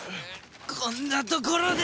こんなところで！